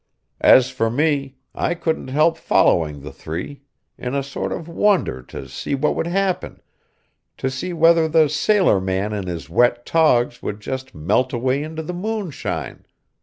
As for me, I couldn't help following the three, in a sort of wonder to see what would happen, to see whether the sailor man in his wet togs would just melt away into the moonshine.